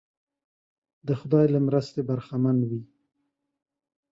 د خدای له مرستې برخمن وي.